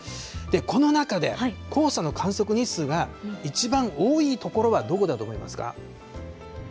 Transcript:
この中で、黄砂の観測日数が一番多い所はどこだと思いますか。